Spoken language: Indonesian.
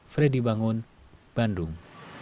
freddy bangun bandung